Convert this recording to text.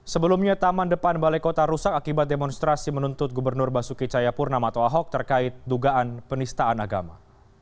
sebelumnya taman depan balai kota rusak akibat demonstrasi menuntut gubernur basuki cayapur nama toa hok terkait dugaan penistaan agama